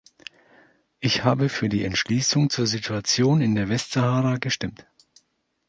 Ich habe für die Entschließung zur Situation in der Westsahara gestimmt.